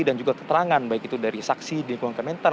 dan juga keterangan baik itu dari saksi di lingkungan kementerian